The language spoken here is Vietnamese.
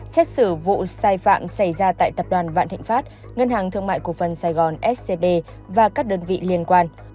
xét xử vụ sai phạm xảy ra tại tập đoàn vạn thịnh pháp ngân hàng thương mại cổ phần sài gòn scb và các đơn vị liên quan